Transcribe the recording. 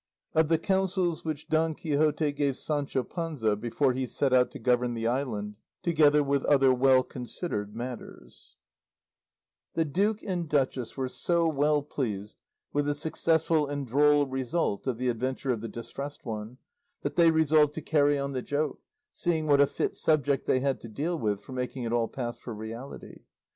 OF THE COUNSELS WHICH DON QUIXOTE GAVE SANCHO PANZA BEFORE HE SET OUT TO GOVERN THE ISLAND, TOGETHER WITH OTHER WELL CONSIDERED MATTERS The duke and duchess were so well pleased with the successful and droll result of the adventure of the Distressed One, that they resolved to carry on the joke, seeing what a fit subject they had to deal with for making it all pass for reality.